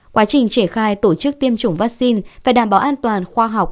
quá trình triển khai tổ chức tiêm chủng vaccine phải đảm bảo an toàn khoa học